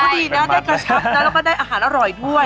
ก็ดีเน่ะได้กระแต๊ปแล้วก็ได้อาหารอร่อยด้วย